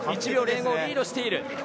１秒０５リードしている。